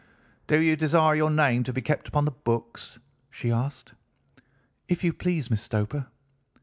"'Do you desire your name to be kept upon the books?' she asked. "'If you please, Miss Stoper.